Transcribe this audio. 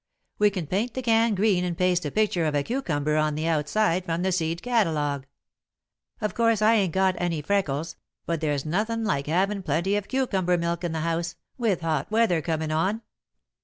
We can paint the can green and paste a picture of a cucumber on the outside from the seed catalogue. Of course I ain't got any freckles, but there's nothin' like havin' plenty of cucumber milk in the house, with hot weather comin' on."